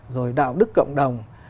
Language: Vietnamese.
rồi đạo đức cộng đồng